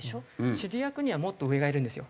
指示役にはもっと上がいるんですよ。